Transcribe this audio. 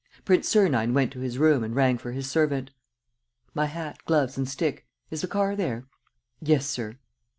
Prince Sernine went to his room and rang for his servant: "My hat, gloves, and stick. Is the car there?" "Yes, sir."